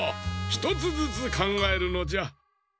ひとつずつかんがえるのじゃ。